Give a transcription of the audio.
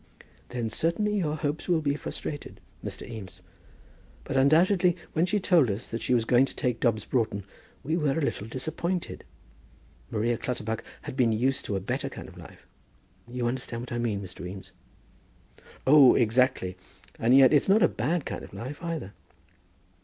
"Then certainly your hopes will be frustrated, Mr. Eames. But undoubtedly when she told us that she was going to take Dobbs Broughton, we were a little disappointed. Maria Clutterbuck had been used to a better kind of life. You understand what I mean, Mr. Eames?" "Oh, exactly; and yet it's not a bad kind of life, either."